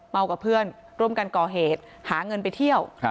กับเพื่อนร่วมกันก่อเหตุหาเงินไปเที่ยว